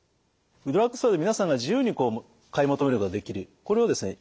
ドラッグストアで皆さんが自由に買い求めることができるこれをですね